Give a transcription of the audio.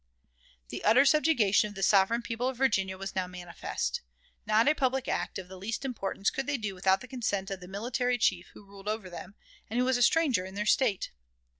The utter subjugation of the sovereign people of Virginia was now manifest. Not a public act of the least importance could they do without the consent of the military chief who ruled over them, and who was a stranger in their State.